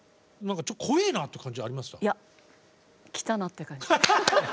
ちょっと怖いなっていう感じはありました？